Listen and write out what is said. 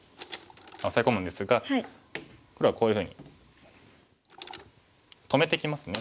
オサエ込むんですが黒はこういうふうに止めてきますね